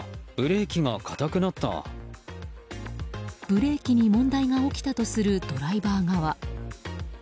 ブレーキに問題が起きたとするドライバー側。